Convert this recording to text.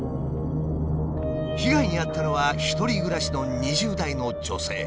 被害に遭ったのは１人暮らしの２０代の女性。